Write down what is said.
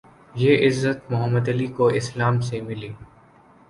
یہ عزت Muhammad Ali کو اسلام سے ملی